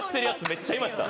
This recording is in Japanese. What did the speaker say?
めっちゃいました。